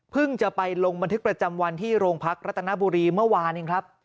จะไปลงบันทึกประจำวันที่โรงพักรัตนบุรีเมื่อวานเองครับ